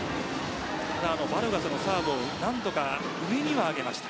ただ、バルガスのサーブを何とか上に上げました。